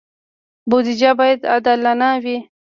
بودجه باید عادلانه وي